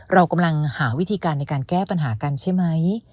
เรากำลังหาวิธีการในการแก้ปัญหากันใช่ไหม